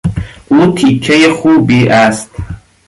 او تیکهی خوبی است.